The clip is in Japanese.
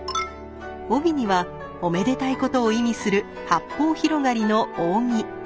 帯にはおめでたいことを意味する「八方広がり」の扇。